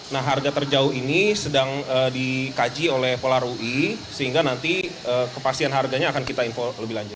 nah harga terjauh ini sedang dikaji oleh polar ui sehingga nanti kepastian harganya akan kita info lebih lanjut